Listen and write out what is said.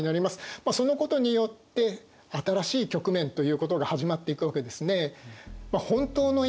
そのことによって新しい局面ということが始まっていくわけですね。